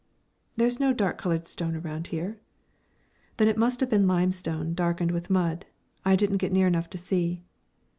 "There's no dark coloured stone around here." "Then it must have been limestone darkened with mud. I didn't get near enough to see."